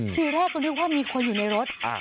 ทีแรกก็นึกว่ามีคนอยู่ในรถ